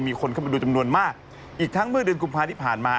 มีคนเข้ามาดูจำนวนมากอีกทั้งเมื่อเดือนกุมภาที่ผ่านมา